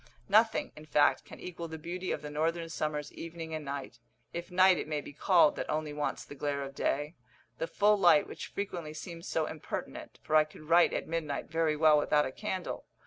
Nothing, in fact, can equal the beauty of the northern summer's evening and night, if night it may be called that only wants the glare of day, the full light which frequently seems so impertinent, for I could write at midnight very well without a candle.